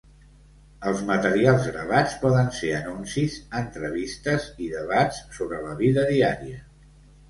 Els materials gravats poden ser anuncis, entrevistes i debats sobre la vida diària.